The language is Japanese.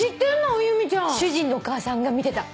主人のお母さんが見てた。